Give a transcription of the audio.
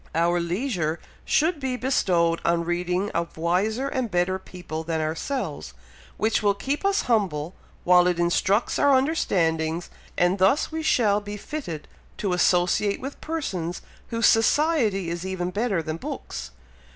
Our leisure should be bestowed on reading of wiser and better people than ourselves, which will keep us humble while it instructs our understandings, and thus we shall be fitted to associate with persons whose society is even better than books.